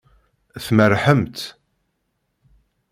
Tmerrḥemt.